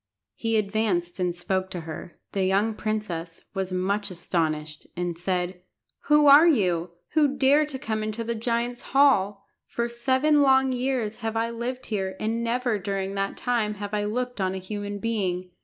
He advanced and spoke to her. The young princess was much astonished, and said "Who are you, who dare to come into the giant's hall? For seven long years have I lived here, and never during that time have I looked on a human being.